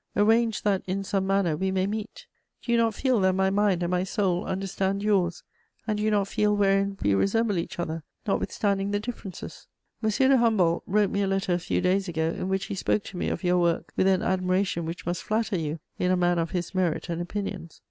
Arrange that, in some manner, we may meet. Do you not feel that my mind and my soul understand yours, and do you not feel wherein we resemble each other, notwithstanding the differences? M. de Humboldt wrote me a letter a few days ago in which he spoke to me of your work with an admiration which must flatter you in a man of his merit and opinions.